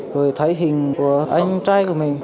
rồi thấy hình của anh trai của mình